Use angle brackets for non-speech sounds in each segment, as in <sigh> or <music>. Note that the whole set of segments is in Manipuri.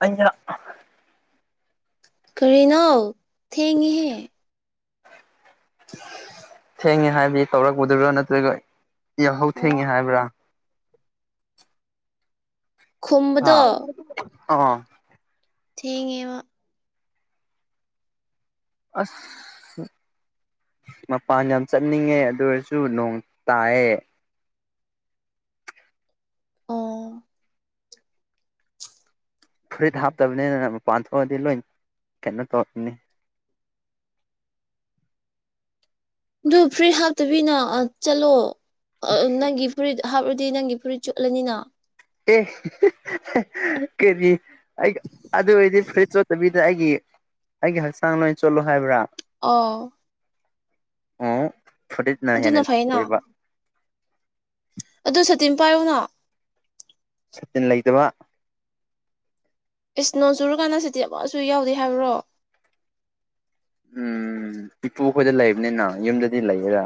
ꯑꯩꯅ ꯑꯥ ꯀꯔꯤꯅꯣ ꯊꯦꯡꯉꯤꯍꯦ ꯊꯦꯡꯉꯦ ꯍꯥꯏꯕꯗꯤ ꯇꯧꯔꯛꯄꯗꯨꯔꯥ ꯅꯠꯇ꯭ꯔꯒ ꯌꯥꯍꯧ ꯑꯣ ꯊꯦꯡꯉꯦ ꯍꯥꯏꯕ꯭ꯔꯥ ꯍꯥ ꯈꯨꯝꯕꯗꯣ <unintelligible> ꯑꯣ ꯊꯦꯡꯉꯦꯕ ꯑꯁ ꯃꯄꯥꯟ ꯌꯥꯝ ꯆꯠꯅꯤꯡꯉꯦ ꯑꯗꯨ ꯑꯣꯏꯔꯁꯨ ꯅꯣꯡ ꯇꯥꯏꯑꯦ ꯑꯣ ꯐꯨꯔꯤꯠ ꯍꯥꯞꯇꯕꯅꯤꯅ ꯃꯄꯥꯟ ꯊꯣꯛꯑꯗꯤ ꯂꯣꯏ ꯀꯩꯅꯣ ꯇꯧ ꯅꯤ ꯑꯗꯨ ꯐꯨꯔꯤꯠ ꯍꯥꯞꯇꯕꯤꯅ ꯑꯥ ꯆꯠꯂꯣ ꯑꯥ ꯅꯪꯒꯤ ꯐꯨꯔꯤꯠ ꯍꯥꯞꯔꯗꯤ ꯅꯪꯒꯤ ꯐꯨꯔꯤꯠ ꯆꯣꯠꯂꯅꯤꯅ ꯑꯦ <unintelligible> ꯀꯔꯤ ꯑꯩꯒ ꯑꯗꯨ ꯑꯣꯏꯔꯗꯤ ꯐꯨꯔꯤꯠ ꯆꯣꯠꯇꯕꯤꯗ ꯑꯩꯒꯤ ꯑꯩꯒꯤ ꯍꯛꯆꯥꯡ ꯅꯣꯏ ꯆꯣꯠꯂꯣ ꯍꯥꯏꯕ꯭ꯔꯥ ꯑꯧ ꯑꯣꯑꯣ ꯐꯨꯔꯤꯠꯅ ꯑꯗꯨꯅ ꯍꯦꯟꯅ ꯐꯩꯅ ꯂꯨꯏꯑꯦꯕ ꯑꯗꯨ ꯁꯇꯤꯟ ꯄꯥꯏꯌꯨꯅ ꯁꯇꯤꯟ ꯂꯩꯇꯕ ꯏꯁ ꯅꯣꯡ ꯆꯨꯔꯀꯥꯟꯗ ꯁꯥꯇꯤꯟ ꯑꯃꯁꯨ ꯌꯥꯎꯗꯦ ꯍꯥꯏꯕ꯭ꯔꯣ ꯎꯝ ꯏꯄꯨ ꯈꯣꯏꯗ ꯂꯩꯕꯅꯤꯅ ꯌꯨꯝꯗꯗꯤ ꯂꯩꯌꯦꯔ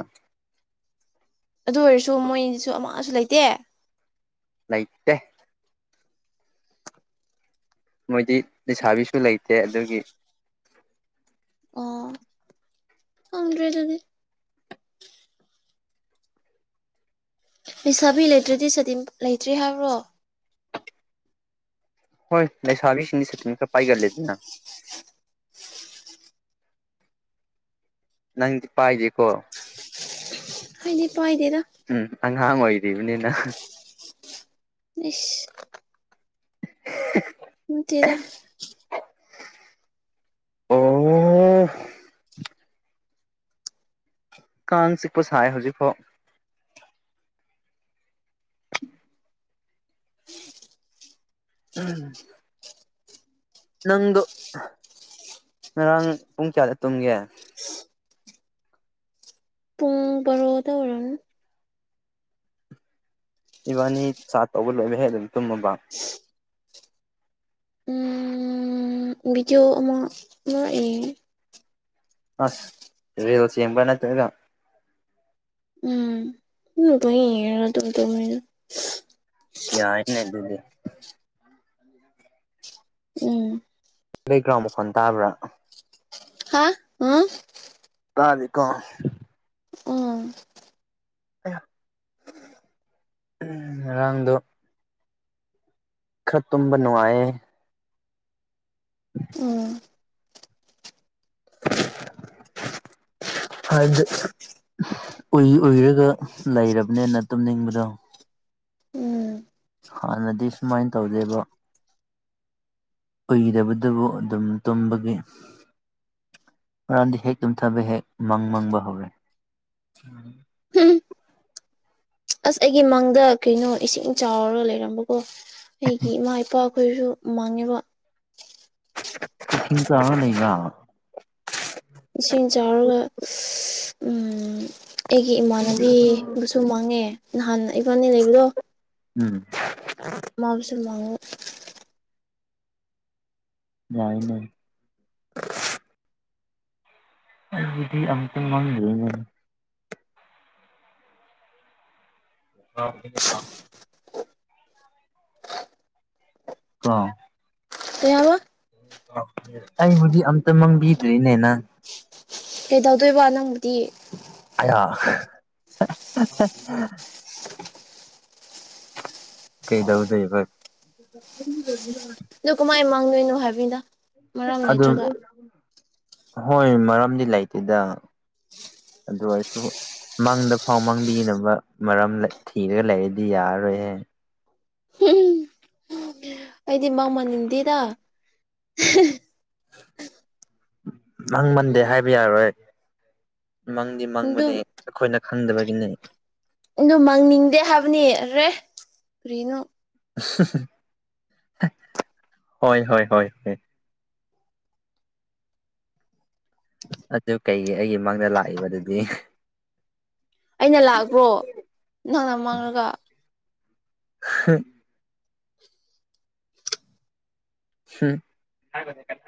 ꯑꯗꯨ ꯑꯣꯏꯔꯁꯨ ꯃꯣꯏꯁꯨ ꯑꯃꯁꯨ ꯂꯩꯇꯦ ꯂꯩꯇꯦ ꯃꯣꯏꯗꯤ ꯂꯩꯁꯥꯕꯤꯁꯨ ꯂꯩꯇꯦ ꯑꯗꯨꯒꯤ ꯑꯣ ꯈꯪꯗ꯭ꯔꯦ ꯑꯗꯨꯗꯤ ꯂꯩꯁꯥꯕꯤ ꯂꯩꯇ꯭ꯔꯗꯤ ꯁꯇꯤꯟ ꯂꯩꯇ꯭ꯔꯦ ꯍꯥꯏꯕ꯭ꯔꯣ ꯍꯣꯏ ꯂꯩꯁꯥꯕꯤꯁꯤꯡꯗꯤ ꯁꯥꯇꯤꯟ ꯈꯔ ꯄꯥꯏꯒꯜꯂꯤꯗꯅ ꯅꯪꯗꯤ ꯄꯥꯏꯗꯦꯀꯣ ꯑꯩꯗꯤ ꯄꯥꯏꯗꯦꯗ ꯎꯝ ꯑꯉꯥꯡ ꯑꯣꯏꯔꯤꯕꯅꯤꯅ <unintelligible> ꯏꯁ <unintelligible> ꯅꯠꯇꯦꯗ ꯑꯣ <unintelligible> ꯑꯣ ꯀꯥꯡ ꯆꯤꯛꯄ ꯁꯥꯏ ꯍꯧꯖꯤꯛꯐꯥꯎ <unintelligible> ꯅꯪꯗꯣ ꯉꯔꯥꯡ ꯄꯨꯡ ꯀꯌꯥꯗ ꯇꯨꯝꯒꯦ ꯄꯨꯡ ꯕꯥꯔꯣꯗ ꯑꯣꯏꯔꯝꯅꯤ ꯏꯕꯥꯅꯤ ꯆꯥꯠ ꯇꯧꯕ ꯂꯣꯏꯕ ꯍꯦꯛ ꯑꯗꯨꯝ ꯇꯨꯝꯃꯕ <unintelligible> ꯎꯝ ꯕꯤꯗꯤꯑꯣ ꯑꯃ ꯑꯃꯔꯛ ꯌꯦꯡꯉꯦ ꯑꯁ ꯔꯤꯜꯁ ꯌꯦꯡꯕ꯭ꯔꯥ ꯅꯠꯇ꯭ꯔꯒꯥꯅ ꯎꯝ ꯑꯗꯨꯝ ꯄꯪꯌꯦꯡꯔꯒ ꯑꯗꯨꯝ ꯇꯨꯝꯃꯦꯗ ꯌꯥꯏꯅꯦ ꯑꯗꯨꯗꯤ ꯎꯝ ꯕꯦꯛꯒ꯭ꯔꯥꯎꯟ ꯃꯈꯣꯟ ꯇꯥꯕ꯭ꯔꯥ ꯍꯥꯥ ꯑꯥ ꯇꯥꯔꯤ ꯀꯣ ꯎꯝ ꯑꯌꯥ ꯔꯥꯡꯗꯣ ꯈꯔ ꯇꯨꯝꯕ ꯅꯨꯡꯉꯥꯏꯌꯦ ꯎꯝ ꯍꯥꯏꯕꯗꯤ ꯎꯏ ꯎꯏꯔꯒ ꯂꯩꯔꯕꯅꯦꯅ ꯇꯨꯝꯅꯤꯡꯕꯗꯣ ꯍꯥꯟꯅꯗꯤ ꯁꯨꯃꯥꯏꯅ ꯇꯧꯗꯦꯕ ꯀꯨꯏꯔꯕꯗꯕꯨ ꯑꯗꯨꯝ ꯇꯨꯝꯕꯒꯤ ꯉꯔꯥꯡꯗꯤ ꯍꯦꯛ ꯇꯨꯝꯊꯕ ꯍꯦꯛ ꯃꯪ ꯃꯪꯕ ꯍꯧꯔꯦ ꯎꯝ ꯎꯝ ꯑꯁ ꯑꯩꯒꯤ ꯃꯪꯗ ꯀꯩꯅꯣ ꯏꯁꯤꯡ ꯆꯥꯎꯔꯒ ꯂꯩꯔꯝꯕꯀꯣ ꯑꯩꯒꯤ ꯏꯃꯥ ꯏꯄꯥ ꯑꯩꯈꯣꯏꯁꯨ ꯃꯥꯡꯉꯦꯕ <unintelligible> ꯏꯁꯤꯡ ꯆꯥꯎꯔꯒ <unintelligible> ꯑꯝ ꯑꯩꯒꯤ ꯏꯃꯥꯟꯅꯕꯤꯕꯨꯁꯨ ꯃꯥꯡꯉꯦ ꯅꯍꯥꯟ ꯏꯕꯥꯅꯤ ꯂꯩꯕꯗꯣ ꯎꯝ ꯃꯥꯕꯨꯁꯨ ꯃꯥꯡꯉꯦ ꯌꯥꯏꯅꯦ ꯑꯗꯨꯗꯤ ꯑꯃꯨꯛꯇꯡ ꯃꯥꯡ ꯂꯩꯅꯦ <unintelligible> ꯀꯣ ꯀꯩꯑꯥꯕ ꯑꯩꯕꯨꯗꯤ ꯑꯝꯇ ꯃꯥꯡꯕꯤꯗ꯭ꯔꯤꯅꯦ ꯅꯪ ꯀꯩꯗꯧꯗꯣꯏꯕ ꯅꯪꯕꯨꯗꯤ ꯑꯌꯥ <unintelligible> ꯀꯩꯗꯧꯗꯣꯏꯕ ꯑꯗꯨ ꯀꯃꯥꯏꯅ ꯃꯥꯡꯗꯣꯏꯅꯣ ꯍꯥꯏꯕꯅꯤꯗ ꯃꯔꯝ ꯑꯗꯨ ꯂꯩꯇ꯭ꯔꯒ ꯍꯣꯏ ꯃꯔꯝꯗꯤ ꯂꯩꯇꯦꯗ ꯑꯗꯨ ꯑꯣꯏꯔꯁꯨ ꯃꯪꯗ ꯐꯥꯎ ꯃꯥꯡꯕꯤꯅꯕ ꯃꯔꯝ ꯂꯩ ꯊꯤꯔꯒ ꯂꯩꯔꯗꯤ ꯌꯥꯔꯔꯣꯏꯍꯦ ꯑꯩꯗꯤ ꯃꯪ ꯃꯪꯅꯤꯡꯗꯦꯗ ꯃꯪ ꯃꯟꯗꯦ ꯍꯥꯏꯕ ꯌꯥꯔꯣꯏ ꯃꯪꯗꯤ ꯑꯗꯨ ꯃꯪꯕꯅꯦ ꯑꯈꯣꯏꯅ ꯈꯪꯗꯕꯒꯤꯅꯦ ꯑꯗꯨ ꯃꯪꯅꯤꯡꯗꯦ ꯍꯥꯏꯕꯅꯦ ꯑꯔꯦ ꯀꯔꯤꯅꯣ <unintelligible> ꯍꯣꯏ ꯍꯣꯏ ꯍꯣꯏ ꯍꯦ ꯑꯗꯨ ꯀꯩꯒꯤ ꯑꯩꯒꯤ ꯃꯪꯗ ꯂꯥꯛꯏꯕꯗꯨꯗꯤ ꯑꯩꯅ ꯂꯥꯛꯄ꯭ꯔꫭ ꯅꯪꯅ ꯃꯪꯔꯒ ꯍ ꯍꯨꯝ <unintelligible>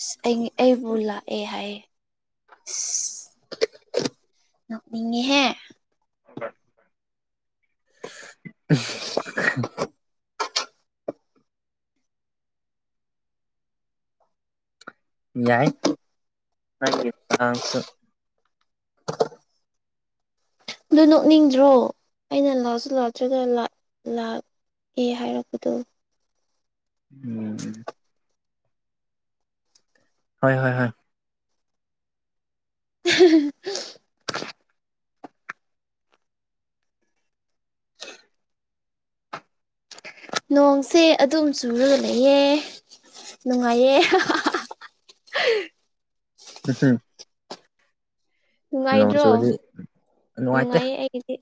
ꯏꯁ ꯑꯩ ꯑꯩꯕꯨ ꯂꯥꯛꯑꯦ ꯍꯥꯏꯌꯦ ꯏꯁ ꯅꯣꯛꯅꯤꯡꯉꯦꯍꯦ <inaudible> <unintelligible> <unintelligible> ꯌꯥꯏ ꯅꯪꯒꯤ ꯄ꯭ꯔꯅꯥꯎꯟꯁ ꯇꯨ ꯑꯗꯨ ꯅꯣꯛꯅꯤꯡꯗ꯭ꯔꯣ ꯑꯩꯅ ꯂꯥꯛꯁꯨ ꯂꯥꯛꯇ꯭ꯔꯒ ꯂꯥꯛ ꯑꯦ ꯍꯥꯏꯔꯛꯄꯗꯨ ꯎꯝ ꯍꯣꯏ ꯍꯣꯏ ꯍꯣꯏ <unintelligible> ꯅꯣꯡꯁꯦ ꯑꯗꯨꯝ ꯆꯨꯔꯒ ꯂꯩꯌꯦ ꯅꯨꯡꯉꯥꯏꯌꯦ <unintelligible> <unintelligible> ꯅꯣꯡ ꯅꯨꯡꯉꯥꯏꯗ꯭ꯔꯣ ꯆꯨꯔꯗꯤ ꯅꯨꯡꯉꯥꯏꯇꯦ ꯅꯨꯡꯉꯥꯏꯌꯦ ꯑꯩꯗꯤ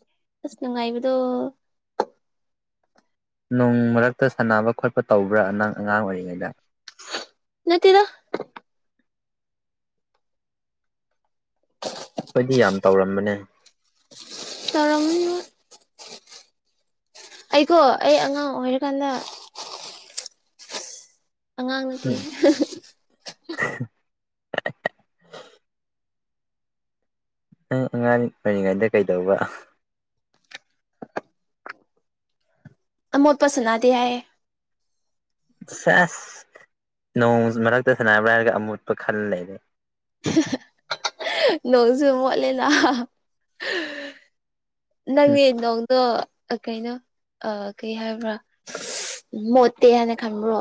ꯑꯁ ꯅꯨꯡꯉꯥꯏꯕꯗꯣ ꯅꯣꯡ ꯃꯔꯛꯇ ꯁꯥꯟꯅꯕ ꯈꯣꯠꯄ ꯇꯧꯕ꯭ꯔ ꯅꯪ ꯑꯉꯥꯡ ꯑꯣꯏꯔꯤꯉꯩꯗ ꯅꯠꯇꯦꯗ ꯈꯣꯏꯗꯤ ꯌꯥꯝ ꯇꯧꯔꯝꯕꯅꯦ ꯇꯧꯔꯝꯒꯅꯤꯕꯨ ꯑꯩꯀꯣ ꯑꯩ ꯑꯉꯥꯡ ꯑꯣꯏꯔꯤꯀꯥꯟꯗ ꯑꯉꯥꯡ ꯅꯠꯇꯦ ꯎꯝ <unintelligible> ꯅꯪ ꯑꯉꯥꯡ ꯑꯣꯏꯔꯤꯉꯩꯗ ꯀꯩꯗꯧꯕ ꯑꯃꯣꯠꯄ ꯁꯥꯟꯅꯗꯦ ꯍꯥꯏꯌꯦ ꯁꯦꯁ ꯅꯣꯡꯃ ꯃꯔꯛꯇ ꯁꯥꯟꯅꯕ꯭ꯔ ꯍꯥꯏꯔꯒ ꯑꯃꯣꯠꯄ ꯈꯜ ꯂꯩꯔꯦ <unintelligible> ꯅꯣꯡꯁꯨ ꯃꯣꯠꯂꯦꯅ ꯎꯝ ꯅꯪꯗꯤ ꯅꯣꯡꯗꯣ ꯀꯩꯅꯣ ꯑ ꯀꯩ ꯍꯥꯏꯕ꯭ꯔ ꯃꯣꯠꯇꯦ ꯍꯥꯏꯅ ꯈꯟꯕ꯭ꯔꯣ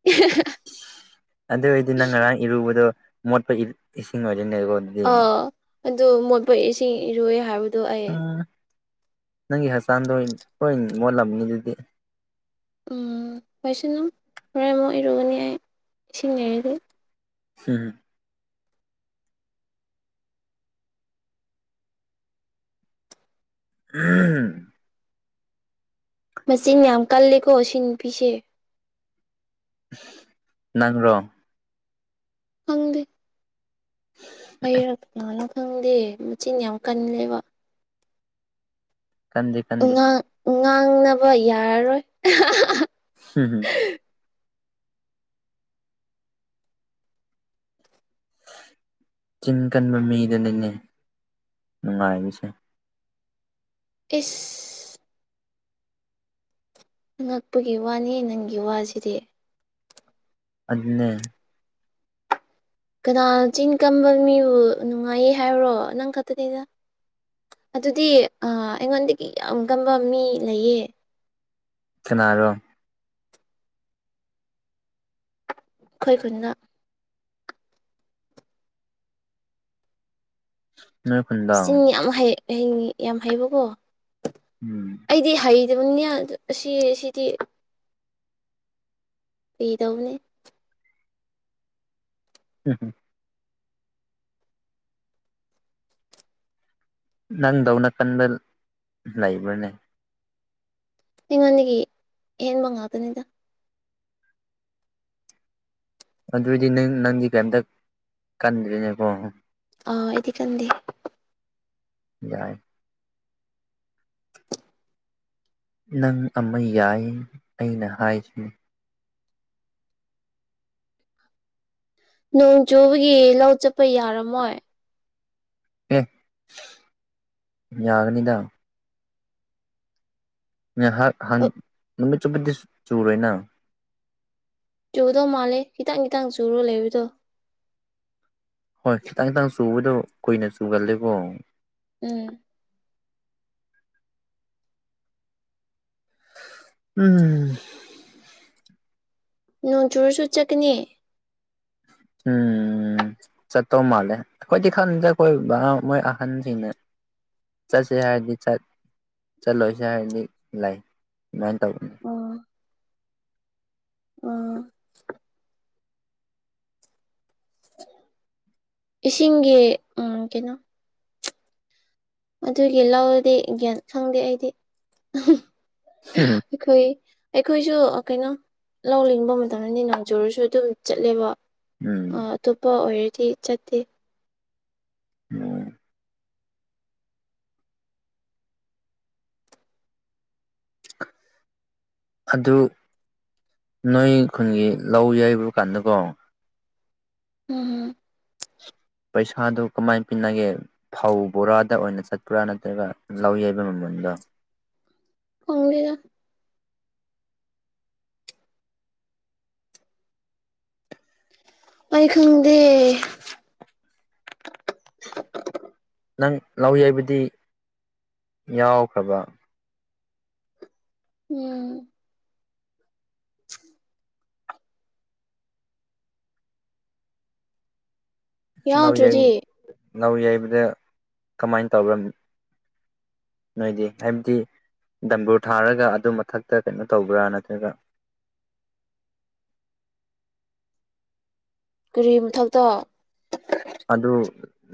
<unintelligible> ꯑꯗꯨ ꯑꯣꯏꯗꯤ ꯅꯪ ꯉꯔꯥꯡ ꯏꯔꯨꯕꯗꯣ ꯃꯣꯠꯄ ꯏꯁꯤꯡ ꯑꯣꯏꯗꯣꯏꯅꯤꯀꯣ ꯑꫭ ꯑꯗꯨ ꯃꯣꯠꯄ ꯏꯁꯤꯡ ꯏꯔꯣꯏ ꯍꯥꯏꯕ ꯎꯝ ꯅꯪꯒꯤ ꯍꯛꯆꯥꯡꯗꯣ ꯂꯣꯏ ꯃꯣꯠꯂꯝꯃꯅꯤ ꯑꯗꯨꯗꯤ ꯎꯝ <unintelligible> ꯁꯅꯨ ꯍꯣꯔꯦꯟ ꯑꯃꯨꯛ ꯏꯔꯨꯒꯅꯤ ꯑꯩ ꯏꯁꯤꯡ ꯂꯩꯔꯗꯤ ꯍꯨꯝ <unintelligible> ꯃꯆꯤꯟ ꯌꯥꯝ ꯀꯜꯂꯤꯀꯣ ꯁꯤ ꯅꯨꯄꯤꯁꯤ ꯅꯪꯔꯣ ꯐꯪꯗꯦ ꯑꯩꯔꯥ ꯀꯅꯥꯅꯣ ꯈꯪꯗꯦ ꯃꯆꯤꯟ ꯌꯥꯝ ꯀꯜꯂꯦꯕ ꯀꯟꯗꯦ ꯀꯟꯗꯦ ꯉꯥꯡ ꯉꯥꯡꯅꯕ ꯌꯥꯔꯔꯣꯏ ꯑꯍ ꯍꯥ ꯍꯥ ꯍꯨꯝ ꯍꯨꯝ ꯆꯤꯟ ꯀꯟꯕ ꯃꯤꯗꯅꯤꯅꯦ ꯅꯨꯡꯉꯥꯏꯔꯤꯁꯦ ꯏꯁ ꯑꯉꯛꯄꯒꯤ ꯋꯥꯅꯦ ꯅꯪꯒꯤ ꯋꯥꯁꯤꯗꯤ ꯑꯗꯨꯅꯦ ꯀꯅꯥꯅ ꯆꯤꯡ ꯀꯝꯕ ꯃꯤꯕꯨ ꯅꯨꯡꯉꯥꯏꯌꯦ ꯍꯥꯏꯕꯔꯣ ꯅꯪ ꯈꯠꯇꯅꯤꯗ ꯑꯗꯨꯗꯤ ꯑ ꯑꯩꯉꯣꯟꯗꯒꯤ ꯌꯥꯝ ꯀꯝꯕ ꯃꯤ ꯂꯩꯌꯦ ꯀꯅꯥꯔꯣ ꯈꯣꯏ ꯈꯨꯟꯅ ꯅꯣꯏ ꯈꯨꯟ ꯆꯤꯟ ꯌꯥꯝ ꯍꯩ ꯍꯩꯉꯤ ꯌꯥꯝ ꯍꯩꯕꯣꯀꯣ ꯎꯝ ꯑꯩꯗꯤ ꯍꯩꯇꯕꯅꯤꯌ ꯗꯨ ꯑꯁꯤ ꯁꯤꯗꯤ ꯐꯒꯤꯇꯧꯕꯅꯦ <unintelligible> ꯅꯪꯗꯧꯅ ꯀꯥꯟꯕ ꯂꯩꯥꯕ꯭ꯔꯥꯅꯦ ꯑꯩꯉꯣꯟꯗꯒꯤ ꯍꯦꯟꯕ ꯉꯥꯛꯇꯅꯤꯗ ꯑꯗꯨꯗꯤ ꯅꯪ ꯅꯪꯗꯤ ꯀꯩꯝꯇ ꯀꯟꯗ꯭ꯔꯦꯅꯦꯀꯣ ꯑꯥ ꯑꯩꯗꯤ ꯀꯥꯟꯗꯦ ꯌꯥꯏ ꯅꯪ ꯑꯃ ꯌꯥꯏ ꯑꯩꯅ ꯍꯥꯏꯁꯤꯅꯤ ꯅꯣꯡ ꯆꯨꯕꯒꯤ ꯂꯧ ꯆꯞꯄ ꯌꯥꯔꯝꯃꯣꯏ ꯑꯦ ꯌꯥꯒꯅꯤꯗ ꯉꯥꯏꯍꯥꯛ ꯍꯥꯡ ꯑ, ꯅꯨꯃꯤꯠ ꯆꯨꯞꯄꯗꯤ ꯆꯨꯔꯣꯏꯅ ꯆꯨꯗꯧ ꯃꯥꯜꯂꯦ ꯈꯤꯇꯪ ꯈꯤꯇꯪ ꯆꯨꯔ ꯂꯩꯕꯗꯣ ꯍꯣꯏ ꯈꯤꯇꯪ ꯈꯤꯇꯪ ꯆꯨꯕꯗꯣ ꯀꯨꯏꯅ ꯆꯨꯒꯜꯂꯦꯕꯣ ꯎꯝ ꯎꯝ ꯅꯣꯡ ꯆꯨꯔꯁꯨ ꯆꯠꯀꯅꯤ ꯎꯝ ꯆꯠꯇꯧ ꯃꯥꯜꯂꯦ ꯑꯈꯣꯏꯗꯤ ꯈꯥꯟꯗꯦ ꯑꯈꯣꯏꯕꯥ ꯃꯣꯏ ꯑꯍꯟꯖꯤꯡꯅ ꯆꯠꯁꯦ ꯍꯥꯏꯔꯗꯤ ꯆꯥꯠ ꯆꯥꯠꯂꯣꯏꯁꯦ ꯍꯥꯏꯔꯗꯤ ꯂꯩ ꯗꯨꯃꯥꯏꯟ ꯇꯧꯕꯅꯤ ꯎꯝ ꯏꯁꯤꯡꯒꯤ ꯑꯝ ꯀꯩꯅꯣ ꯑꯗꯨꯒꯤ ꯂꯧꯗꯤ ꯒ꯭ꯌꯥꯟ ꯈꯪꯗꯦ ꯑꯩꯗꯤ ꯍꯝ ꯈꯣꯏ ꯑꯩꯈꯣꯏꯖꯨ ꯑꯥ ꯀꯩꯅꯣ ꯂꯧ ꯂꯤꯡꯕ ꯃꯇꯝꯗꯗꯤ ꯅꯣꯡ ꯆꯨꯔꯁꯨ ꯑꯗꯨꯝ ꯆꯠꯂꯦꯕ ꯎꯝ ꯇꯣꯞꯄ ꯑꯣꯏꯔꯗꯤ ꯆꯠꯇꯦ ꯃꯣ ꯑꯗꯨ ꯅꯣꯏ ꯈꯨꯟꯒꯤ ꯂꯧ ꯌꯩꯕ ꯀꯥꯟꯗꯀꯣ ꯎꯝꯍꯝ ꯄꯩꯁꯥꯗꯨ ꯀꯃꯥꯏꯟ ꯄꯤꯅꯒꯦ ꯐꯧ ꯕꯣꯔꯥꯗ ꯑꯣꯏꯅ ꯆꯠꯄ꯭ꯔꯥ ꯅꯠꯇ꯭ꯔꯒ ꯂꯧ ꯌꯩꯕ ꯃꯃꯥꯜꯗꯣ ꯈꯪꯗꯦꯗ ꯑꯩ ꯈꯪꯗꯦ ꯅꯪ ꯂꯧ ꯌꯩꯕꯗꯤ ꯌꯥꯎꯈ꯭ꯔꯕꯥ ꯎꯝ <inaudible> ꯌꯥꯎꯗ꯭ꯔꯗꯤ ꯂꯧꯌꯩ ꯂꯧꯌꯩꯕꯗ ꯀꯃꯥꯏꯅ ꯇꯧꯕ꯭ꯔ ꯅꯣꯏꯗꯤ ꯍꯥꯏꯕꯗꯤ ꯗꯝꯕꯨꯔ ꯊꯥꯔꯒ ꯑꯗꯨ ꯃꯊꯛꯇ ꯀꯩꯅꯣ ꯇꯧꯕ꯭ꯔꯥ ꯅꯠꯇ꯭ꯔꯒ ꯀꯔꯤ ꯃꯊꯛꯇ ꯑꯗꯨ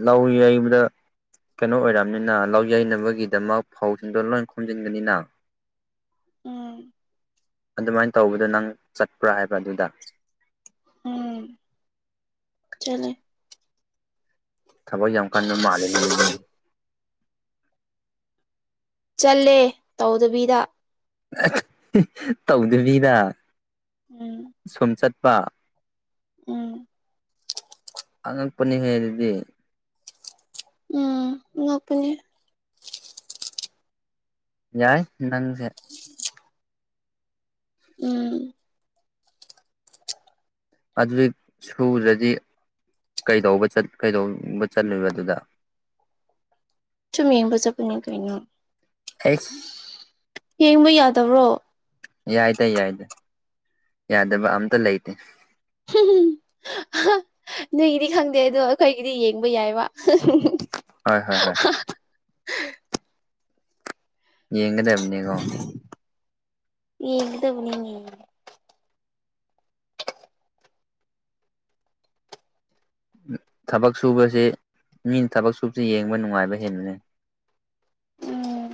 ꯂꯧ ꯌꯩꯕꯗ ꯀꯩꯅꯣ ꯑꯣꯏꯔꯝꯅꯤꯅ ꯂꯧ ꯌꯩꯅꯕꯒꯤꯗꯃꯛ ꯐꯧꯁꯤꯡꯗꯣ ꯂꯣꯏ ꯈꯣꯝꯖꯤꯟꯒꯅꯤꯅ ꯎꯝ ꯑꯗꯨꯃꯥꯏꯅ ꯇꯧꯕꯗꯣ ꯅꯪ ꯆꯠꯄ꯭ꯔꯥ ꯍꯥꯏꯕ ꯑꯗꯨꯗ ꯎꯝ ꯆꯠꯂꯦ ꯊꯕꯛ ꯌꯥꯝ ꯀꯟꯕ ꯃꯥꯜꯂꯦꯅꯦ ꯑꯗꯨꯗꯤ ꯆꯠꯂꯦ ꯇꯧꯗꯕꯤꯗ ꯇꯧꯗꯕꯤꯗꯥ ꯎꯝ ꯁꯨꯝ ꯆꯠꯄ ꯎꯝ ꯑꯉꯛꯄꯅꯤ ꯍꯦ ꯑꯗꯨꯗꯤ ꯎꯝ ꯉꯛꯄꯅꯦ ꯌꯥꯏ ꯅꯪꯁꯦ <inaudible> ꯎꯝ ꯑꯗꯨꯗꯤ ꯁꯨꯗ꯭ꯔꯗꯤ ꯀꯩꯗꯧꯕ ꯆꯠ ꯀꯩꯗꯧꯕ ꯆꯠꯂꯨꯏꯕ ꯑꯗꯨꯗ ꯆꯨꯝ ꯌꯦꯡꯕꯆꯠꯄꯅꯤ ꯀꯩꯅꯣ ꯍꯩꯁ ꯌꯦꯡꯕ ꯌꯥꯗꯕ꯭ꯔꯣ ꯌꯥꯏꯗ ꯌꯥꯏꯗ ꯌꯥꯗꯕ ꯑꯝꯇ ꯂꯩꯇꯦ ꯅꯣꯏꯒꯤꯗꯤ ꯈꯪꯗꯦ ꯑꯗꯣ ꯑꯩꯈꯣꯏꯒꯤꯗꯤ ꯌꯦꯡꯕ ꯌꯥꯏꯕ ꯍꯣꯏ ꯍꯣꯏ ꯍꯣꯏ ꯌꯦꯡꯉꯗꯕꯅꯤꯒꯣ ꯌꯦꯡꯗꯕꯅꯤꯅꯦ ꯊꯕꯛ ꯁꯨꯕꯕꯁꯦ ꯃꯤꯅ ꯊꯕꯛ ꯁꯨꯕꯕꯁꯤ ꯌꯦꯡꯕ ꯅꯨꯡꯉꯥꯏꯕ ꯍꯦꯟꯕꯅꯤ ꯎꯝ